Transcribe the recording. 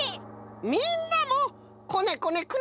みんなもこねこね